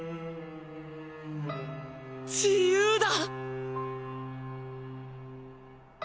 自由だ。